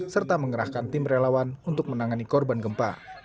serta mengerahkan tim relawan untuk menangani korban gempa